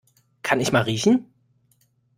Kann ich mal riechen?